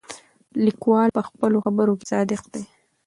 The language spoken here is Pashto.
لیکوال په خپلو خبرو کې صادق دی.